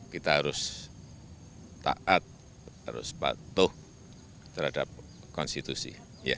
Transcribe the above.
kita harus taat harus patuh terhadap konstitusi